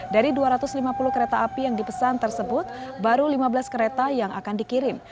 dari dua ratus lima puluh kereta api yang dipesan tersebut baru lima belas kereta yang akan dikirim